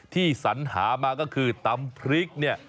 สัญหามาก็คือตำพริกเนี่ย